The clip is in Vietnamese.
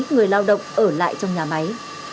người lao động ở lại trong nhà máy